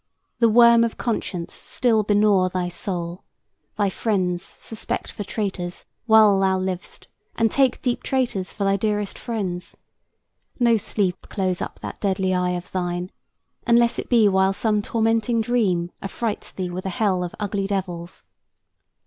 The worm of conscience still begnaw thy soul! Thy friends suspect for traitors while thou liv'st, And take deep traitors for thy dearest friends! No sleep close up that deadly eye of thine, Unless it be while some tormenting dream Affrights thee with a hell of ugly devils!"